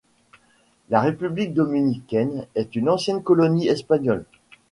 La République dominicaine est une ancienne colonie espagnole.